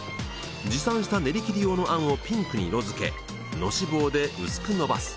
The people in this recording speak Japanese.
持参した練り切り用の餡をピンクに色付けのし棒で薄くのばす。